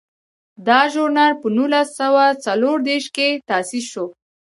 دا ژورنال په نولس سوه څلور دیرش کې تاسیس شو.